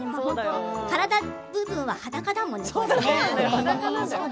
体部分は裸だもんね、これね。